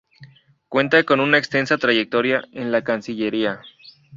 Cuenta con una extensa trayectoria en la Cancillería.